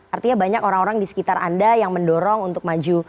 artinya banyak orang orang di sekitar anda yang mendorong untuk maju